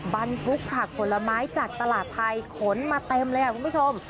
บรรทุกผักผลไม้จากตลาดไทยขนมาเต็มเลยคุณผู้ชม